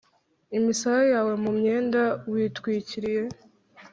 Imisaya yawe mu mwenda witwikiriye,